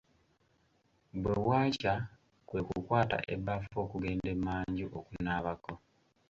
Bwe bwakya kwe kukwata ebbaafu okugenda emmanju okunaabako.